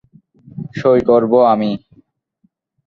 সই করব আমি।